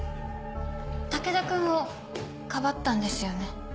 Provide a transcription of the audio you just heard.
武田君をかばったんですよね？